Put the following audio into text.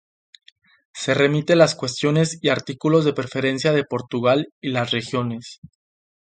Se remite las cuestiones y artículos de preferencia de Portugal y las regiones.